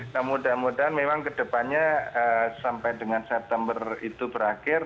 kemudian ke depannya sampai dengan september itu berakhir